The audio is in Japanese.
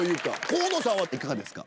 河野さんはいかがですか？